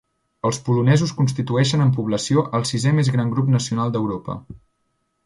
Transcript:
Els polonesos constitueixen en població el sisè més gran grup nacional d'Europa.